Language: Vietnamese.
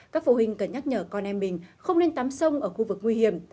các phụ huynh cần nhắc nhở con em mình không nên tắm sông ở khu vực nguy hiểm